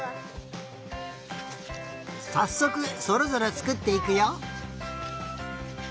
さっそくそれぞれつくっていくよ。